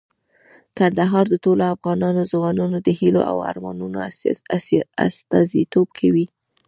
کندهار د ټولو افغان ځوانانو د هیلو او ارمانونو استازیتوب کوي.